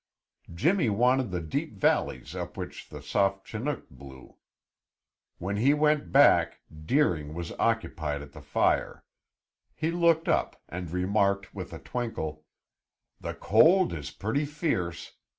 Jimmy wanted the deep valleys up which the soft Chinook blew. When he went back, Deering was occupied at the fire. He looked up and remarked with a twinkle: "The cold is pretty fierce.